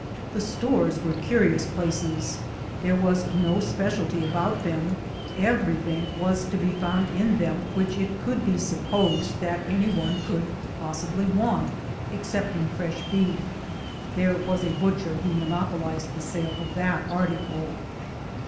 ] The stores were curious places. There was no spe cialty about them — everything was to be found in them which it could be supposed that any one could LOOKING FOR GOLD 119 possibly want, excepting fresh beef (there was a butcher who monopolized the sale of that article).